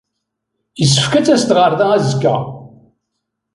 Yessefk ad d-tased ɣer da azekka.